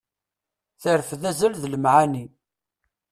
Terfed azal d lemɛani.